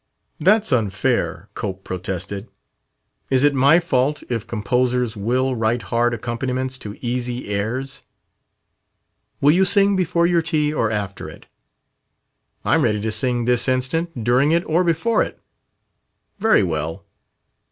"That's unfair," Cope protested. "Is it my fault if composers will write hard accompaniments to easy airs?" "Will you sing before your tea, or after it?" "I'm ready to sing this instant, during it, or before it." "Very well."